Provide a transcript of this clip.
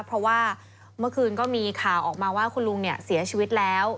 เพราะว่าเมื่อคืนก็มีข่าวออกมาว่าคุณลุงเนี่ยเสียชีวิตแล้ว